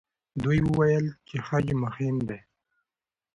دوی وویل چې خج مهم دی.